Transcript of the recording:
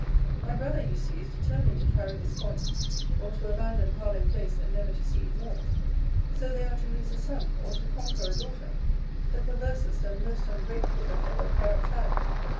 My brother, you see, is determined to carry this point, or to abandon Harlowe place, and never to see it more. So they are to lose a son, or to conquer a daughter the perversest and most ungrateful that ever parents had!